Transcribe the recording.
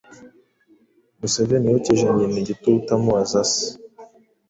Museveni yokeje nyina igitutu amubaza se